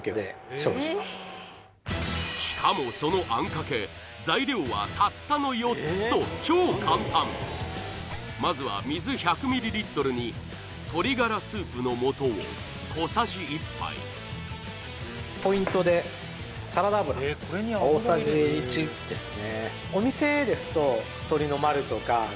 しかもそのあんかけ材料はたったの４つと超簡単まずは水１００ｍｌに鶏ガラスープの素を小さじ１杯ポイントでサラダ油大さじ１ですね